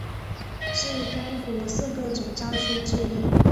是该国四个总教区之一。